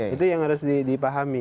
itu yang harus dipahami